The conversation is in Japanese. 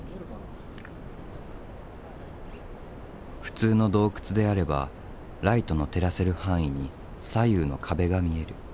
普通の洞窟であればライトの照らせる範囲に左右の壁が見える。